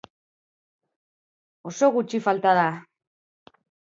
Oso gutxi falta da!